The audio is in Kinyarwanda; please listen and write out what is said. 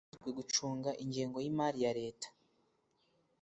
ushinzwe gucunga ingengo y Imari ya leta